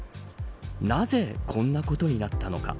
なぜ、こんなことになったのか。